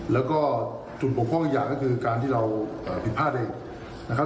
แล้วก็จุดปกพ่องอีกอย่างก็คือการที่เราผิดพลาดเองนะครับ